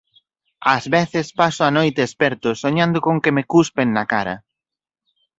Ás veces paso a noite esperto soñando con que me cuspen na cara.